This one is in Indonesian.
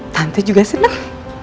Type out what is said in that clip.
tante juga seneng